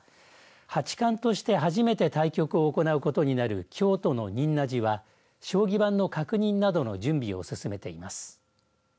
八冠として初めて対局を行うことになる京都の仁和寺は将棋盤の確認などの準備を進めています。